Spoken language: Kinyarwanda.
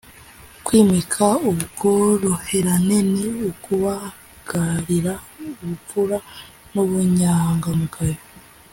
kwimika ubworoherane ni ukubagarira ubupfura n’ubunyangamugayo.